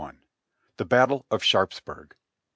THE BATTLE OF SHARPSBURG.